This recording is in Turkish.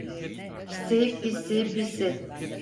Pisi, pisi, pisi.